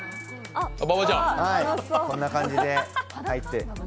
こんな感じで入って。